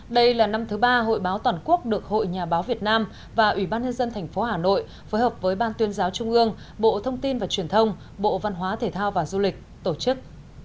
đây là năm thứ ba hội báo toàn quốc được hội nhà báo việt nam và ủy ban nhân dân tp hà nội phối hợp với ban tuyên giáo trung ương bộ thông tin và truyền thông bộ văn hóa thể thao và du lịch tổ chức